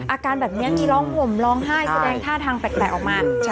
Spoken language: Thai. อาการแบบนี้มีร้องห่มร้องไห้แสดงท่าทางแปลกออกมา